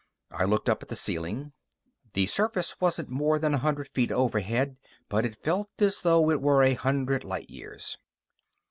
I looked up at the ceiling. The surface wasn't more than a hundred feet overhead, but it felt as though it were a hundred light years.